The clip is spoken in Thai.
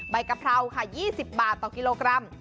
กะเพราค่ะ๒๐บาทต่อกิโลกรัม